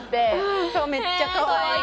めっちゃかわいい。